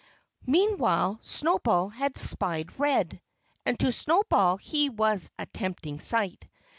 Meanwhile Snowball had spied Red. And to Snowball he was a tempting sight.